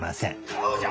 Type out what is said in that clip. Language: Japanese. こうじゃ。